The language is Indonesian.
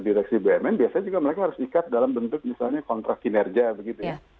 direksi bumn biasanya juga mereka harus ikat dalam bentuk misalnya kontrak kinerja begitu ya